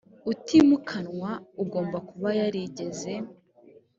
utimukanwa ugomba kuba yarigeze